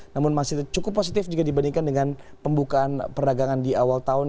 namun masih cukup positif jika dibandingkan dengan pembukaan perdagangan di awal tahun